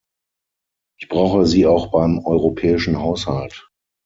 Ich brauche Sie auch beim europäischen Haushalt.